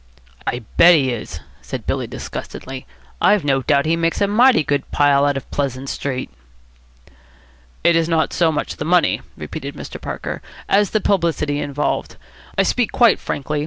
"I bet he is," said Billy disgustedly. "I've no doubt he makes a mighty good pile out of Pleasant Street." "It is not so much the money," repeated Mr. Parker, "as the publicity involved. I speak quite frankly.